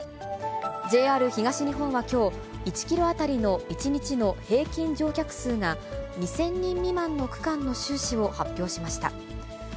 ＪＲ東日本はきょう、１キロ当たりの１日の平均乗客数が、２０００人未満の区間の収支を発表しました。